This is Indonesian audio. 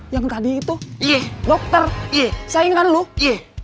yang tadi itu iya dokter iya saingan lu iya